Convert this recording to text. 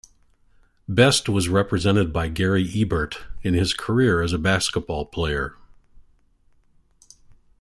Best was represented by Gary Ebert in his career as a basketball player.